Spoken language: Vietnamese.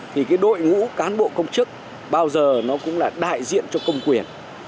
thì đội ngũ cán bộ công chức bao giờ cũng là đại diện cho công quyền